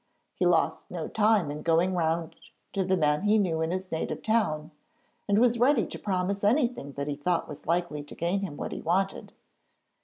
He lost no time in going round to the men he knew in his native town, and was ready to promise anything that he thought was likely to gain him what he wanted.